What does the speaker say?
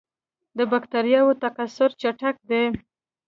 د بکټریاوو تکثر چټک دی.